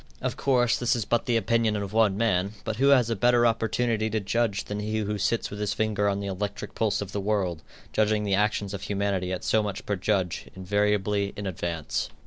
Of course, this is but the opinion of one man, but who has a better opportunity to judge than he who sits with his finger on the electric pulse of the world, judging the actions of humanity at so much per judge, invariably in advance?